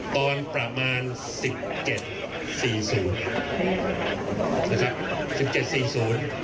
ตอนประมาณ๑๗๔๐น